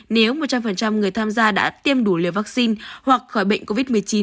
nếu một trăm linh người tham gia đã tiêm đủ liều vaccine hoặc khỏi bệnh covid một mươi chín